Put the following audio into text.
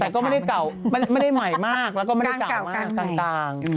แต่ก็ไม่ได้เก่าไม่ได้ใหม่มากแล้วก็ไม่ได้เก่ามากต่าง